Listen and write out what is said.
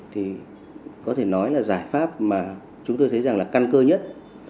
thì có thể nói là giải pháp mà chúng tôi thấy rằng là căn cơ nhất